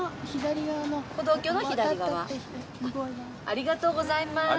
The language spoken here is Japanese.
ありがとうございます。